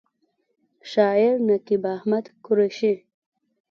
شاعر: نقیب احمد قریشي